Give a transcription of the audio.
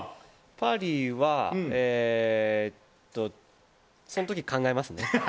パリはその時考えますね。